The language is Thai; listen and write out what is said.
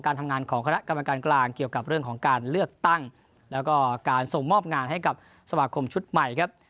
ทำงานของคณะกรรมการกลางเกี่ยวกับเรื่องของการเลือกตั้งแล้วก็การส่งมอบงานให้กับสมาคมชุดใหม่ครับ